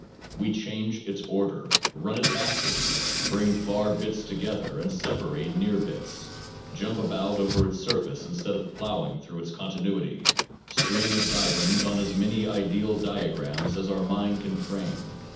We change its order, run it backwards, bring far bits together and sepa rate near bits, jump about over its surface in stead of plowing through its continuity, string its items on as many ideal diagrams as our mind can frame.